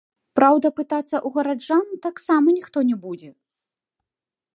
Праўда, пытацца ў гараджан таксама ніхто не будзе.